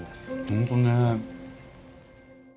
本当ね。